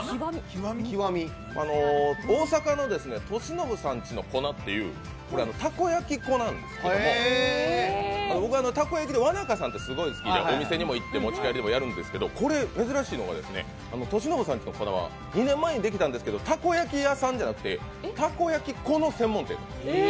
大阪のとしのぶさん家の粉という、たこ焼き粉なんですけれども、たこ焼きでお店にも行って持ち帰りでもやるんですけど、としのぶさん家の粉は２年前にできたんですけどたこ焼き屋さんじゃなくてたこ焼き粉の専門店。